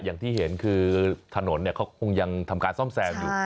อย่างที่เห็นคือถนนเขาคงยังทำการซ่อมแซมอยู่